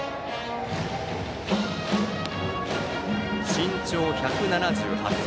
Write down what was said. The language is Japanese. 身長１７８ｃｍ。